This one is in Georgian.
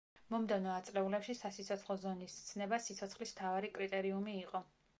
მომდევნო ათწლეულებში სასიცოცხლო ზონის ცნება სიცოცხლის მთავარი კრიტერიუმი იყო.